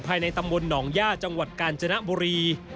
ภายในตำบลหนองย่าจังหวัดกาญจนบุรี